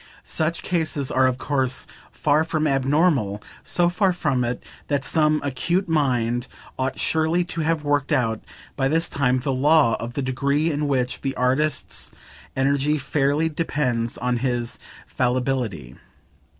Such cases are of course far from abnormal so far from it that some acute mind ought surely to have worked out by this time the "law" of the degree in which the artist's energy fairly depends on his fallibility.